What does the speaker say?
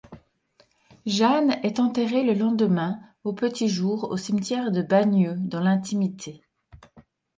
Jeanne est enterrée le lendemain au petit jour au cimetière de Bagneux dans l'intimité.